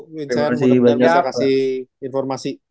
dan saya harap bisa kasih informasi